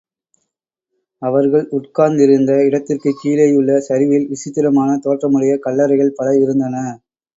அவர்கள் உட்கார்ந்திருந்த இடத்திற்குக் கீழேயுள்ள சரிவில் விசித்திரமான தோற்றமுடைய கல்லறைகள் பல இருந்தன.